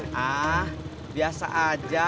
hah biasa aja